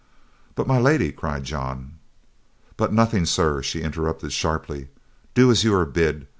"But, My Lady—" cried John. "But nothing, sirrah!" she interrupted sharply. "Do as you are bid.